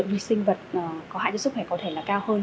vi sinh vật có hại cho sức khỏe có thể là cao hơn